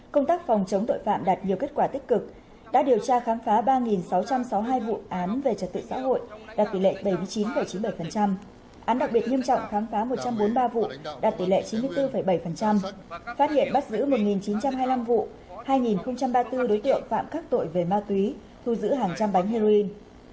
công tác phòng chống tội phạm đạt nhiều kết quả tích cực đã điều tra kháng phá ba sáu trăm sáu mươi hai vụ án về trật tự xã hội đạt tỷ lệ bảy mươi chín chín mươi bảy án đặc biệt nghiêm trọng kháng phá một trăm bốn mươi ba vụ đạt tỷ lệ chín mươi bốn bảy phát hiện bắt giữ một chín trăm hai mươi năm vụ hai ba mươi bốn đối tượng phạm khắc tội về ma túy thu giữ hàng trăm bánh heroin